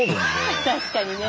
確かにね。